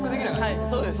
はいそうです。